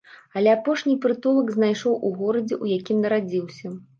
Але апошні прытулак знайшоў у горадзе, у якім нарадзіўся.